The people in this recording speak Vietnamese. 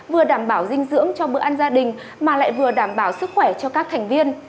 vừa đảm bảo dinh dưỡng cho bữa ăn gia đình mà lại vừa đảm bảo sức khỏe cho các thành viên